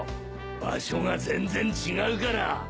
場所が全然違うから。